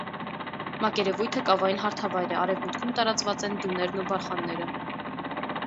Մակերևույթը կավային հարթավայր է, արևմուտքում տարածված են դյուներն ու բարխանները։